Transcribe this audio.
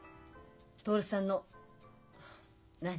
徹さんの何？